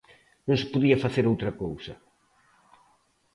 Non se podía facer outra cousa.